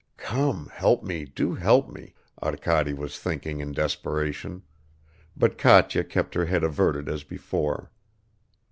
." ("Come, help me, do help me," Arkady was thinking in desperation, but Katya kept her head averted as before.)